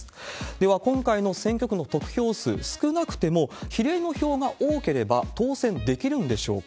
では、今回の選挙区の得票数、少なくても比例の票が多ければ当選できるんでしょうか。